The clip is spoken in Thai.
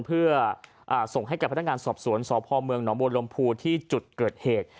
เพื่อส่งให้กับพนักงานสอบสวนสพเมืองหนองบัวลมภูที่จุดเกิดเหตุ